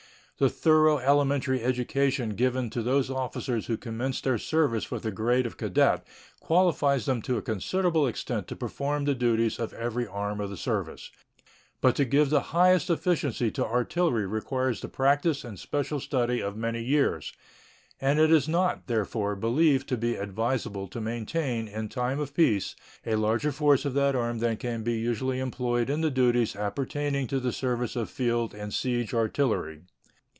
The thorough elementary education given to those officers who commenced their service with the grade of cadet qualifies them to a considerable extent to perform the duties of every arm of the service; but to give the highest efficiency to artillery requires the practice and special study of many years, and it is not, therefore, believed to be advisable to maintain in time of peace a larger force of that arm than can be usually employed in the duties appertaining to the service of field and siege artillery.